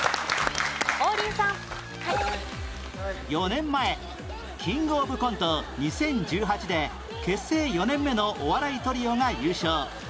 ４年前キングオブコント２０１８で結成４年目のお笑いトリオが優勝